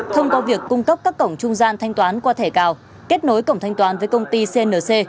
thông qua việc cung cấp các cổng trung gian thanh toán qua thẻ cào kết nối cổng thanh toán với công ty cnc